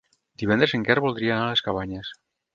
Divendres en Quer voldria anar a les Cabanyes.